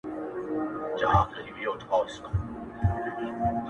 د نن ماښام راهيسي خو زړه سوى ورځيني هېر سـو,